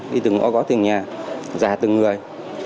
đi từng ngõ gõ từng nhà ra từng người